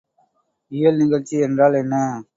இயல்நிகழ்ச்சி என்றால் என்ன?